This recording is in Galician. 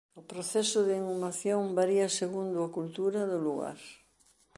O proceso de inhumación varía segundo a cultura do lugar.